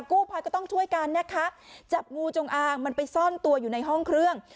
กู้ภัยก็ต้องช่วยกันนะคะจับงูจงอางมันไปซ่อนตัวอยู่ในห้องเครื่อง